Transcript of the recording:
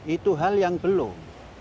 itu hal yang belum